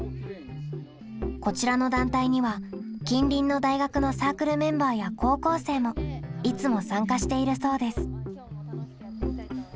こちらの団体には近隣の大学のサークルメンバーや高校生もいつも参加しているそうです。